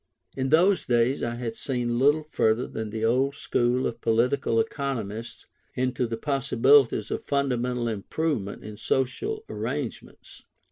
In those days I had seen little further than the old school of political economists into the possibilities of fundamental improvement in social arrangements.